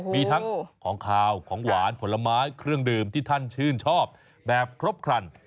มีทั้งของขาวของหวานผลไม้เครื่องดื่มที่ท่านชื่นชอบแบบครบครัน